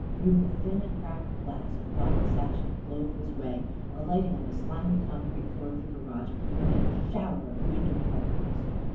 Through the thin and cracked glass and the rotting sash he clove his way, alighting on the slimy concrete floor of the garage amid a shower of window particles.